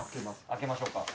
開けましょうか。